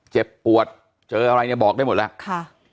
เจ็บปวดเจออะไรเนี่ยบอกได้หมดแล้วค่ะ